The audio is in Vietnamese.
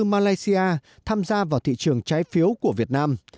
malaysia tham gia vào thị trường trái phiếu của việt nam